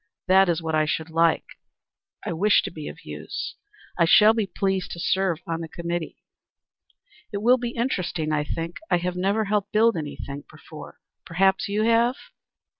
"That is what I should like. I wish to be of use. I shall be pleased to serve on the committee." "It will be interesting, I think. I have never helped build anything before. Perhaps you have?"